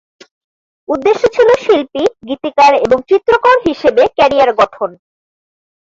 উদ্দেশ্য ছিলো শিল্পী, গীতিকার এবং চিত্রকর হিসেবে ক্যারিয়ার গঠন।